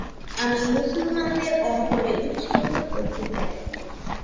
আমি মুসলমানদের অন্তরে উৎসাহিত করতে চাই।